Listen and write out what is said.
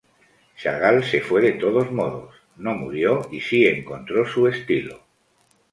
Chagall se fue de todos modos, no murió y sí encontró su estilo.